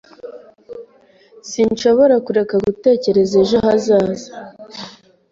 Sinshobora kureka gutekereza ejo hazaza.